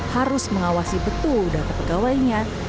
harus mengawasi betul data pegawainya